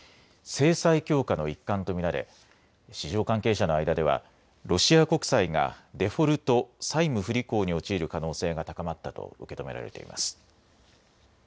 制裁強化の一環と見られ市場関係者の間ではロシア国債がデフォルト・債務不履行に陥る可能性が高まったと受け止められています。